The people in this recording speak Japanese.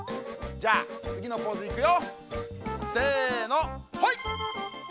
じゃあつぎのポーズいくよ。